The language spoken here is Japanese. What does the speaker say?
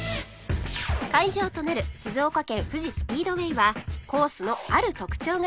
会場となる静岡県富士スピードウェイはコースのある特徴が有名です。